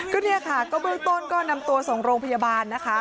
ก็เนี่ยค่ะก็เบื้องต้นก็นำตัวส่งโรงพยาบาลนะคะ